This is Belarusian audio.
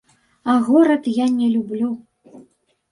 А горад я не люблю.